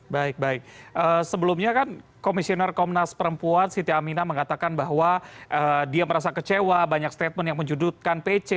baik baik sebelumnya kan komisioner komnas perempuan siti aminah mengatakan bahwa dia merasa kecewa banyak statement yang menjudutkan pc